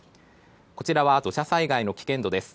こちらは土砂災害の危険度です。